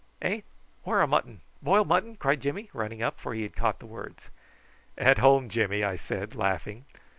"Eh! whar a mutton? Boil mutton?" cried Jimmy, running up, for he had caught the words. "At home, Jimmy," I said, laughing.